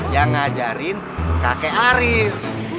yang ngajarin kakek arief